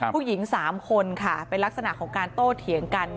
ผู้หญิง๓คนค่ะเป็นลักษณะของการโต้เถียงกัน